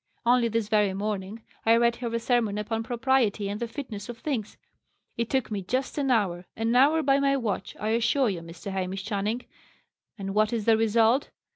Only this very morning I read her a sermon upon 'Propriety, and the fitness of things.' It took me just an hour an hour by my watch, I assure you, Mr. Hamish Channing! and what is the result?